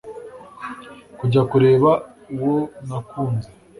kujya kureba uwo nakunze